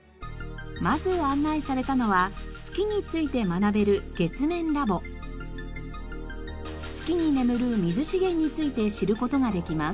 まず案内されたのは月について学べる月に眠る水資源について知る事ができます。